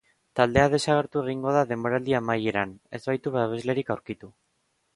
Taldea desagertu egingo da denboraldi amaieran, ez baitu babeslerik aurkitu.